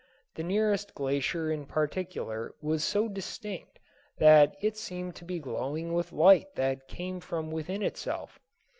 The nearest glacier in particular was so distinct that it seemed to be glowing with light that came from within itself.